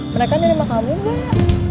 mereka nerima kamu gak